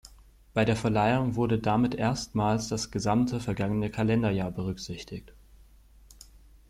Bei der Verleihung wurde damit erstmals das gesamte vergangene Kalenderjahr berücksichtigt.